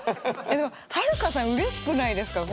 はるかさんうれしくないですか？